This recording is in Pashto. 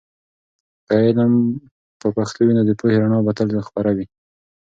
که علم په پښتو وي، نو د پوهې رڼا به تل خپره وي.